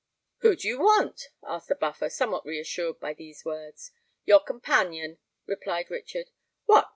"Who do you want?" asked the Buffer, somewhat reassured by these words. "Your companion," replied Richard. "What!